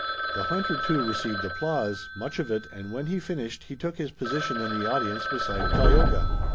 The hunter, too, received applause, much of it, and when he finished he took his position in the audience beside Tayoga.